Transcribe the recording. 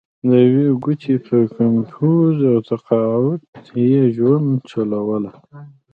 د یوې ګوتې پر کمپوز او تقاعد یې ژوند چلوله.